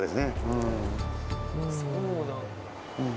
うんそうなんだ